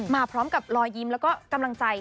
มาพร้อมกับรอยยิ้มแล้วก็กำลังใจ